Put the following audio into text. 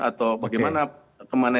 atau bagaimana kemana